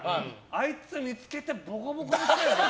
あいつ、見つけたらボコボコにしてやる。